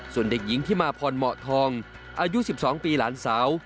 ส่วนเด็กหญิงที่มาพรเหมาะทองอายุ๑๒ปีหลานสาว